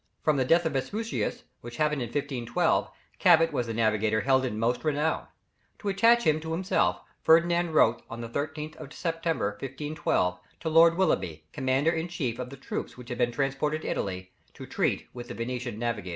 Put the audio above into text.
From the death of Vespucius, which happened in 1512, Cabot was the navigator held in most renown. To attach him to himself, Ferdinand wrote on the 13th of September, 1512, to Lord Willoughby, commander in chief of the troops which had been transported to Italy, to treat with the Venetian navigator.